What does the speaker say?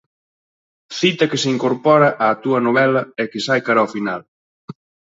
Cita que se incorpora á túa novela e que sae cara ao final.